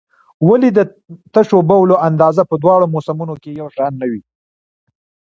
ولې د تشو بولو اندازه په دواړو موسمونو کې یو شان نه وي؟